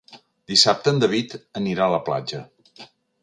Dissabte en David anirà a la platja.